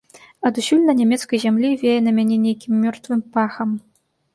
Адусюль на нямецкай зямлі вее на мяне нейкім мёртвым пахам.